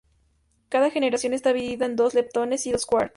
Cada generación está dividida en dos leptones y dos quarks.